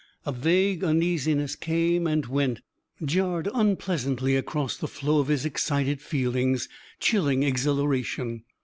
A vague uneasiness came and went jarred unpleasantly across the flow of his excited feelings, chilling exhilaration.